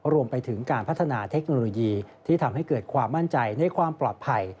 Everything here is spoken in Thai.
รวมไปถึงการพัฒนาเทคโนโลยีที่ทำให้เกิดความมั่นใจในความปลอดภัย